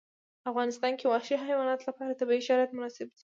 په افغانستان کې وحشي حیواناتو لپاره طبیعي شرایط مناسب دي.